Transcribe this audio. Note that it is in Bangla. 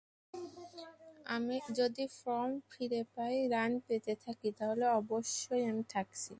যদি ফর্ম ফিরে পাই, রান পেতে থাকি, তাহলে অবশ্যই আমি থাকছি।